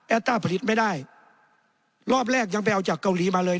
ต้าผลิตไม่ได้รอบแรกยังไปเอาจากเกาหลีมาเลย